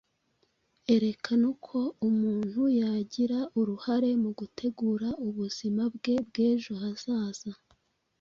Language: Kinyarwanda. Erekana uko umuntu yagira uruhare mu gutegura ubuzima bwe bw’ejo hazaza